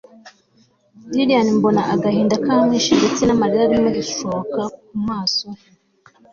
lilian mbona agahinda kamwishe ndetse namarira arimo gushoka kumaso he